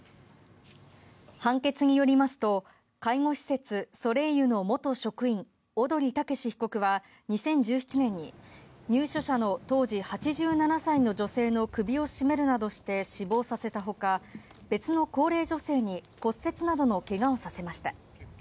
判決によりますと介護施設それいゆの元職員小鳥剛被告は２０１７年に入所者の当時８７歳の女性の首を絞めるなどして死亡させたほか別の高齢女性に骨折などの怪我をさせました。